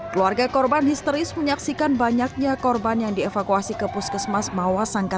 keluarga korban histeris menyaksikan banyaknya korban yang dievakuasi ke puskesmas mawasangka